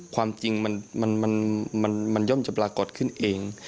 ความจริงมันย่อมจะปรากฏขึ้นเอง